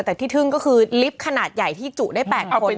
แต่ที่ทึ่งก็คือลิฟต์ขนาดใหญ่ที่จุได้๘คน